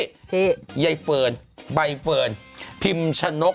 ที่ใยเฟิร์นใบเฟิร์นพิมชะนก